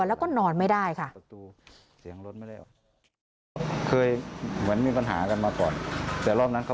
แล้วก็นอนไม่ได้ค่ะ